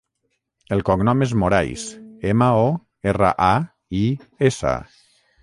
El cognom és Morais: ema, o, erra, a, i, essa.